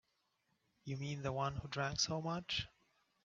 You mean the one who drank so much?